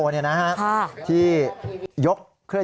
มาแล้ว